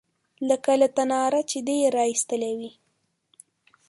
_لکه له تناره چې دې را ايستلې وي.